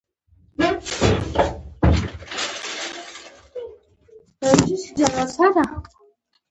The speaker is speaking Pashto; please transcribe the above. په تورونو کي دي بند کړل زموږ سرونه